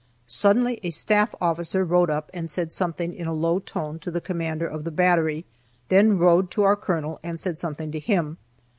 Suddenly a staff officer rode up and said something in a low tone to the commander of the battery, then rode to our colonel and said something to him.